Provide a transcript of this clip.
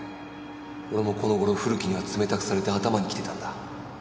俺もこの頃古木には冷たくされて頭にきてたんだ。